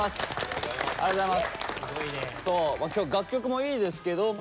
今日楽曲もいいですけど